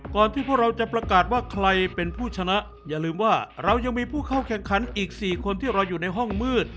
ที่พวกเราจะประกาศว่าใครเป็นผู้ชนะอย่าลืมว่าเรายังมีผู้เข้าแข่งขันอีก๔คนที่เราอยู่ในห้องมืด